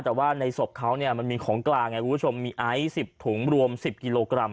แต่ว่าในศพเขาเนี่ยมันมีของกลางไงคุณผู้ชมมีไอซ์๑๐ถุงรวม๑๐กิโลกรัม